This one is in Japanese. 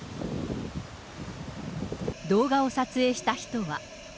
動画を撮影した人は。